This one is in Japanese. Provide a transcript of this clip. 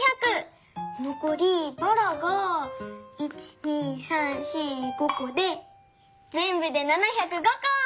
のこりばらが１２３４５こでぜんぶで７０５こ！